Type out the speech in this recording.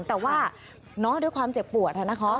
แต่ว่าน้องด้วยความเจ็บปวดนะคะ